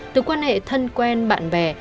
từ quan hệ thân quen bạn bè